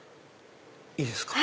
いいですか？